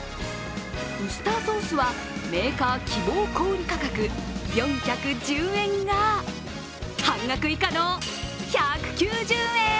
ウスターソースはメーカー希望小売価格４１０円が半額以下の１９０円。